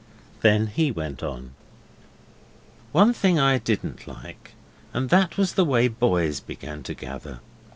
Then he went on. One thing I didn't like, and that was the way boys began to gather.